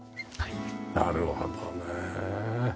なるほどね。